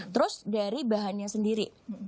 terus dari bahannya sendiri